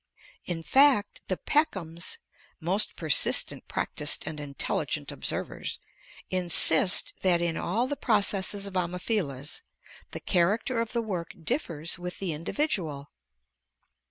In fact the Peckhams (most persistent, practised and intelligent observers) insist that "in all the processes of Ammophila the character of the work differs with the individual."